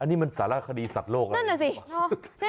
อันนี้มันสารคดีสัตว์โลกอะไรอย่างนี้นั่นน่ะสิ